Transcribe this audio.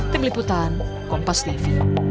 tim liputan kompas tv